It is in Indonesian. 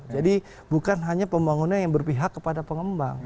jadi bukan hanya pembangunan yang berpihak kepada pengembang